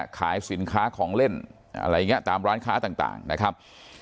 ขายสินค้าของเล่นอะไรอย่างนี้ตามร้านค้าต่างนะครับ